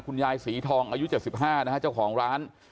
คุณยายศรีทองอายุ๗๕นะฮะเจ้าของร้าน